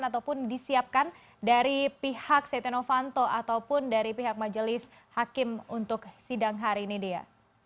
ataupun disiapkan dari pihak setia novanto ataupun dari pihak majelis hakim untuk sidang hari ini dia